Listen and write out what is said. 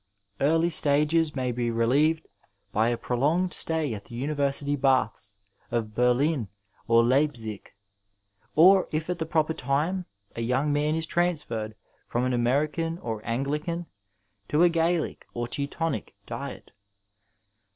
Early stages may be reheved by a prolonged stay at the University Baths of Berlin <» Leipac, or if at the proper time a young man is transferred from an American or Anglican to a Gallic or Teutonic diet.